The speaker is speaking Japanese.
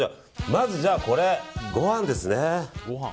まず、ご飯ですね。